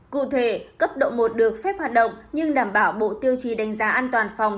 cụ thể cấp độ một được phép hoạt động nhưng đảm bảo bộ tiêu chí đánh giá an toàn phòng